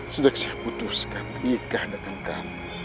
sejak saya putuskan pernikahan dengan kamu